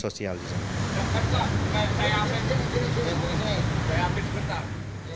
ketika itu kita berpikir kita berpikir kita berpikir kita berpikir